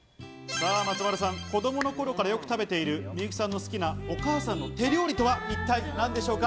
松丸さん、子供の頃からよく食べている幸さんの好きなお母さんの手料理とは一体何でしょうか？